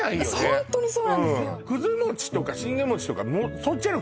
ホントにそうなんですよ